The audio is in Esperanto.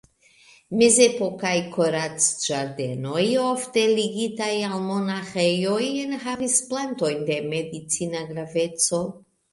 Mezepokaj kurac-ĝardenoj, ofte ligitaj al monaĥejoj, enhavis plantojn de medicina graveco.